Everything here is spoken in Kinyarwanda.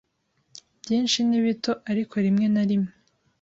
Byinshi ni bito ariko rimwe na rimwe